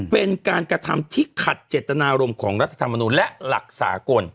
เป็นการกระทำที่ขัดเจตนารมณ์ของรัฐธรรมนุนและหลักสากล